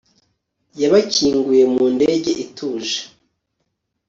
yabakinguye mu ndege ituje